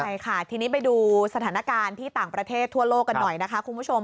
ใช่ค่ะทีนี้ไปดูสถานการณ์ที่ต่างประเทศทั่วโลกกันหน่อยนะคะคุณผู้ชม